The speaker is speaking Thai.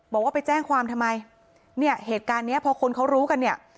บอกว่าไปแจ้งความทำไมเนี่ยเหตุการณ์เนี้ยพอคนเขารู้กันเนี่ย